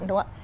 đúng không ạ